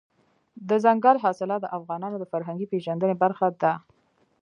دځنګل حاصلات د افغانانو د فرهنګي پیژندنې برخه ده.